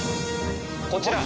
こちら。